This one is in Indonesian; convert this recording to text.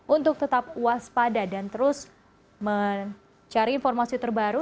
untuk tetap waspada dan terus mencari informasi terbaru